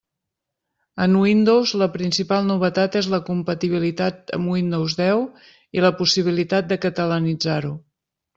En Windows la principal novetat és la compatibilitat amb Windows deu i la possibilitat de catalanitzar-ho.